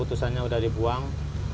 kutusannya udah dibuang